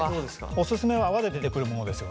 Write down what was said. おすすめは泡で出てくるものですよね。